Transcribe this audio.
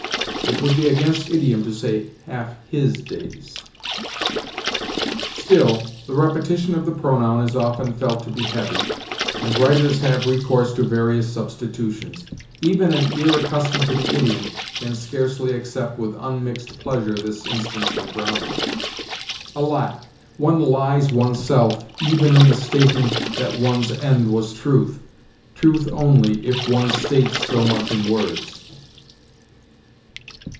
It would be against idiom to say 'half his days.' "Still, the repetition of the pronoun is often felt to be heavy, and writers have recourse to various substitutions. Even an ear accustomed to the idiom can scarcely accept with unmixed pleasure this instance from Browning: "'Alack! one lies oneself Even in the stating that one's end was truth, Truth only, if one states so much in words.'